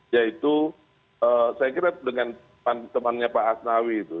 yaitu saya kira dengan temannya pak asnawi itu